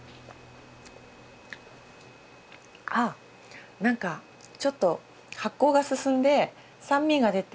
あ何かちょっと発酵が進んで酸味が出て。